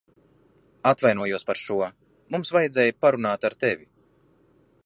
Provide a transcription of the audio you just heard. Atvainojos par šo. Mums vajadzēja parunāt ar tevi.